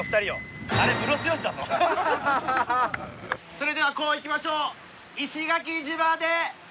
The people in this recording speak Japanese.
それではコウいきましょう。